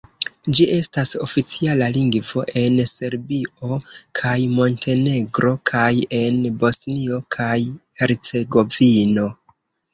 Ĝi estas oficiala lingvo en Serbio kaj Montenegro kaj en Bosnio kaj Hercegovino.